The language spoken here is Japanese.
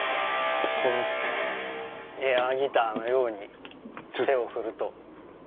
エアギターのように手を振ると。